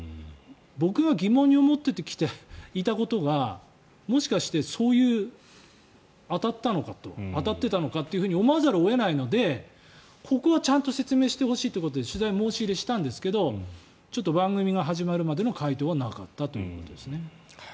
僕が疑問に思っていたことがもしかして当たっていたのかと思わざるを得ないのでここはちゃんと説明してほしいということで取材を申し入れしたんですが番組が始まるまでの回答はなかったということですね。